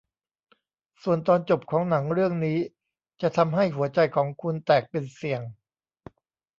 ส่วนตอนจบของหนังเรื่องนี้จะทำให้หัวใจของคุณแตกเป็นเสี่ยง